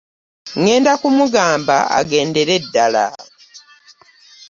.Ŋŋenda kumugamba agenddele ddala.